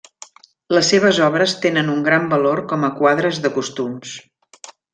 Les seves obres tenen un gran valor com a quadres de costums.